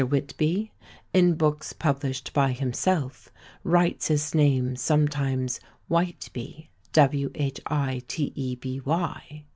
Whitby, in books published by himself, writes his name sometimes Whiteby.